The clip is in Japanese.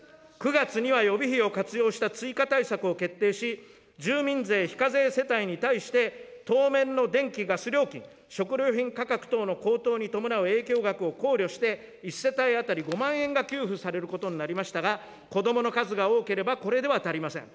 ９月には、予備費を活用した追加対策を決定し、住民税非課税世帯に対して当面の電気・ガス料金、食料品価格等の高騰に伴う影響額を考慮して、１世帯当たり５万円が給付されることになりましたが、子どもの数が多ければこれでは足りません。